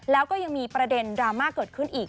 แล้วก็ยังมีประเด็นดราม่าเกิดขึ้นอีก